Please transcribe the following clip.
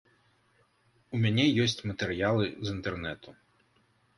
У мяне ёсць матэрыялы з інтэрнэту.